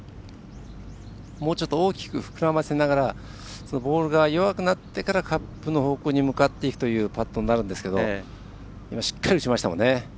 もうちょっと大きく膨らませながらボールが弱くなってからカップの方向に向かっていくというパットになるんですけどしっかり打ちましたよね。